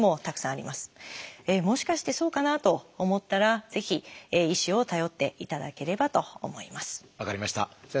もしかしてそうかな？と思ったらぜひ医師を頼っていただければと思います。